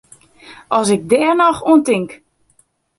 As ik dêr noch oan tink!